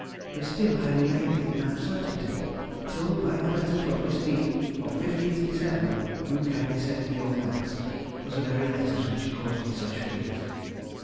But still I remained in uncertainty, till by a letter from Miss B. of 15th December, you kindly sent me your thanks for the very letters which caused me such fears.